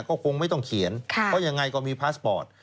ก็คงไม่ต้องเขียนเพราะยังไงก็มีพาสปอร์ต